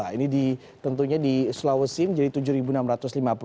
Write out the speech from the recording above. ini tentunya di sulawesi menjadi rp tujuh enam ratus lima puluh